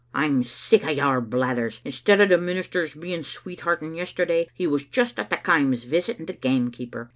"I'm sick o' your blathers. Instead o' the minister's being sweethearting yesterday, he was just at the Kaims visiting the gamekeeper.